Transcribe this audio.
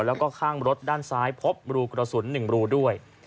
แล้วก็ข้างรถด้านซ้ายพบรูกระสุน๑รูด้วย